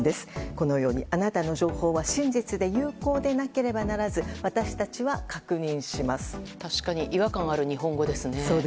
このように「あなたの情報は真実で有効でなければならず、確かに違和感がある日本語ですね。